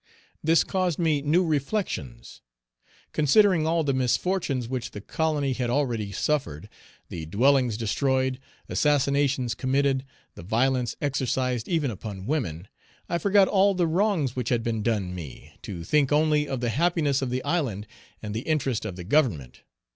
This caused me new reflections. Considering all the misfortunes which the colony had already suffered, the dwellings destroyed, assassinations committed, the violence exercised even upon women, I forgot all the wrongs which had been done me, to think only of the happiness of the island and the interest of the Government.